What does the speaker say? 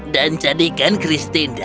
dan jadikan christine dice mahasiswa